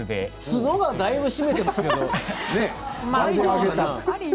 角がだいぶ占めていますけど。